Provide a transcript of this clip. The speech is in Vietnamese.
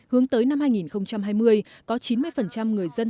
hướng tới năm hai nghìn hai mươi có chín mươi người dân